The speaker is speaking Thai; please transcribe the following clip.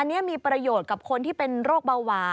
อันนี้มีประโยชน์กับคนที่เป็นโรคเบาหวาน